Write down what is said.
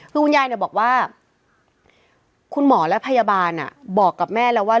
คือคุณยายบอกว่าคุณหมอและพยาบาลบอกกับแม่แล้วว่า